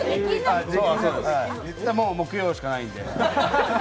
もう木曜しかないんで。